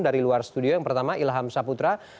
dari luar studio yang pertama ilham saputra